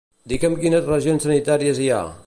Digue'm quines regions sanitàries hi ha.